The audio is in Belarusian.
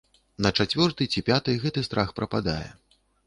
На чацвёрты ці пяты гэты страх прападае.